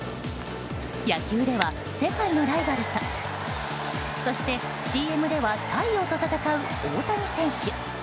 野球では、世界のライバルとそしてＣＭでは太陽と戦う大谷選手。